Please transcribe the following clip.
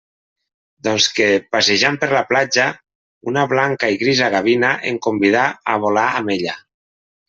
Doncs que, passejant per la platja, una blanca i grisa gavina em convidà a volar amb ella.